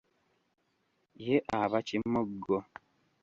Ye aba kimoggo.